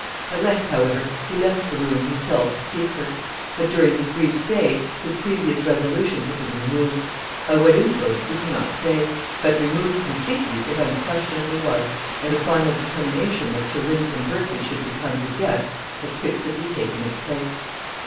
At length, however, he left the room himself to seek her; but, during his brief stay, his previous resolution had been removed. By what influence we cannot say; but removed completely it unquestionably was, and a final determination that Sir Wynston Berkley should become his guest had fixedly taken its place.